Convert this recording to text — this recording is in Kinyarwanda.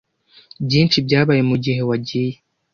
Byinshi byabaye mugihe wagiye.